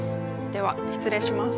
では失礼します。